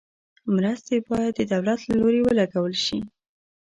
مرستې باید د دولت له لوري ولګول شي.